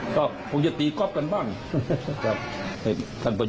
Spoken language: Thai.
ก็คงจะตีก๊อบกันบ้างครับ